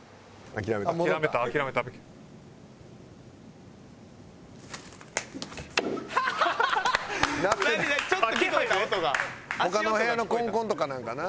「鳴ってない」「他の部屋のコンコンとかなんかな？」